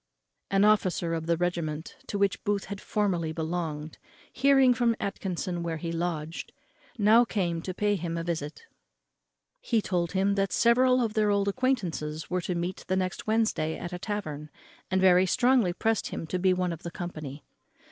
An officer of the regiment to which Booth had formerly belonged, hearing from Atkinson where he lodged, now came to pay him a visit. He told him that several of their old acquaintance were to meet the next Wednesday at a tavern, and very strongly pressed him to be one of the company.